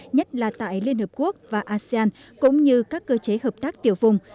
nhất là tại liên hợp quốc và asean cũng như các cơ chế hợp tác tiểu vùng